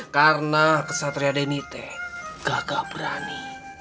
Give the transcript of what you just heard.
karena kesatria deni teh gagah berani